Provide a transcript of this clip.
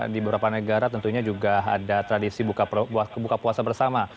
di beberapa negara tentunya juga ada tradisi buka puasa bersama